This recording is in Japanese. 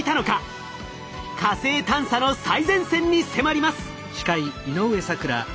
火星探査の最前線に迫ります！